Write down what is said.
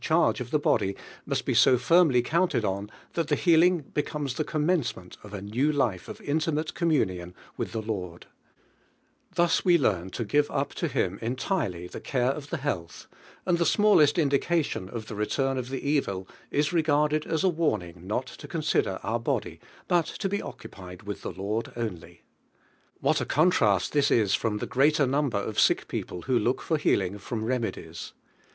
■hn i ga of the body must be so firm I j criunleil on Ilia i the healing becomes i] t ence iiienj of a new life nf in imti le communion wilh I lie TrfirjL 'I'lnis we learn lo give up to Him entire TO MVTHE nGA^rwo, ly the rare of the lieu] til, and the smallest indication of Ihe return of the evil is re garded aa a warning not bo consider em body, but to be occupied with 'the Lord only. What a contrast tMa is from the great er number of sick people who look for healing from remedies.